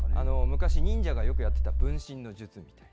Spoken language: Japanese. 昔、忍者がよくやってた、分身の術みたいな。